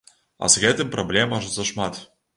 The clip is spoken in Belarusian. А з гэтым праблем аж зашмат.